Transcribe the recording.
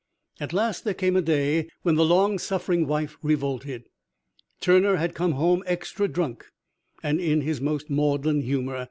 "At last there came a day when the long suffering wife revolted. Turner had come home extra drunk and in his most maudlin humor.